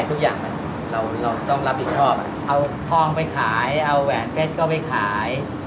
เราต้องรับผิดชอบเอาทองไปขายเอาแหวนเพชรก็ไปขาย